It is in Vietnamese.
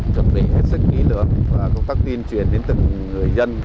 chuẩn bị hết sức kỹ lưỡng và công tác tuyên truyền đến từng người dân